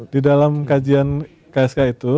di dalam kajian ksk itu